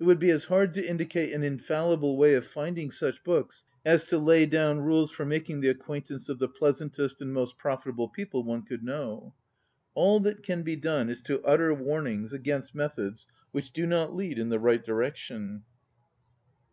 It would be as hard to indicate an infallible way of finding such books as to lay down rules for making the acquaintance of the pleasantest and most profit able people one could know. All that can be done is to utter warnings against methods which do not lead in the right direction.